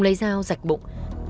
lấy dao giạch bụng